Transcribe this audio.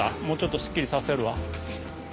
もうちょっとすっきりさせるわ。